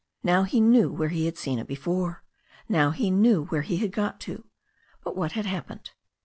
Now he knew where he had seen it before. Now he knew where he had got to. But what had happened?